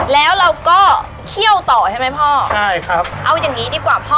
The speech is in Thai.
แล้วเราก็เคี่ยวต่อใช่ไหมพ่อใช่ครับเอาอย่างงี้ดีกว่าพ่อ